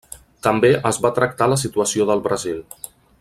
També es va tractar la situació del Brasil.